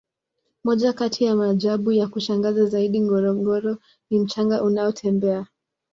moja kati ya maajabu ya kushangaza zaidi ngorongoro ni mchanga unaotembea